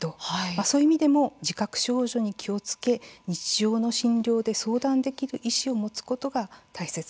そういう意味でも自覚症状に気をつけ日常の診療で相談できる医師を持つことが大切。